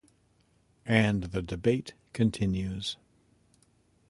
And the debate continues.